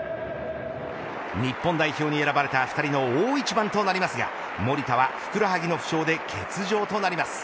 日本代表に選ばれた２人の大一番となりますが守田はふくらはぎの負傷で欠場となります。